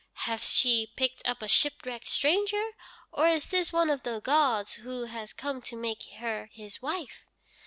Hath she picked up a shipwrecked stranger, or is this one of the gods who has come to make her his wife?'